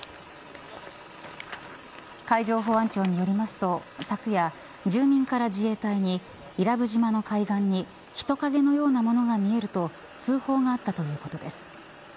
海上保安庁によりますと昨夜、住民から自衛隊に伊良部島の海岸に人影のようなものが見えると通報があったということです。